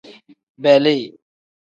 Beeli.